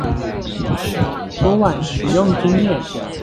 昨晚使用經驗